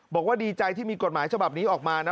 บอกว่าดีใจที่มีกฎหมายฉบับนี้ออกมานะ